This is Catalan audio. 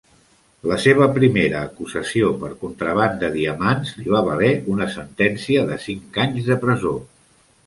La seva primera acusació per contraban de diamants li va valer una sentència de cinc anys de presó.